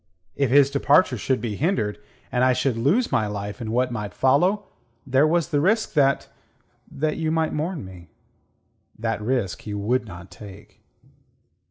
If his departure should be hindered, and I should lose my life in what might follow, there was the risk that... that you might mourn me. That risk he would not take.